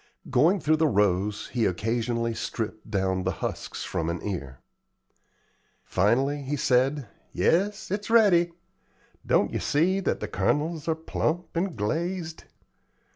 Going through the rows he occasionally stripped down the husks from an ear. Finally he said: "Yes, it's ready. Don't yer see that the kernels are plump and glazed?